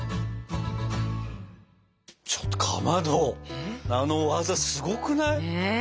ちょっとかまどあの技すごくない？